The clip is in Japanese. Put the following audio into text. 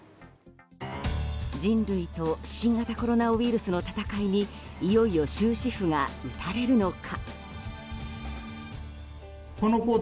人類と新型コロナウイルスの闘いにいよいよ終止符が打たれるのか。